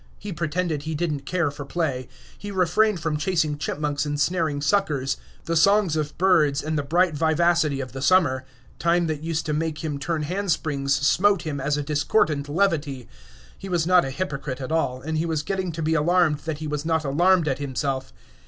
He pretended he did n't care for play; he refrained from chasing chipmunks and snaring suckers; the songs of birds and the bright vivacity of the summer time that used to make him turn hand springs smote him as a discordant levity. He was not a hypocrite at all, and he was getting to be alarmed that he was not alarmed at himself.